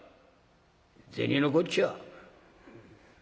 銭のこっちゃ。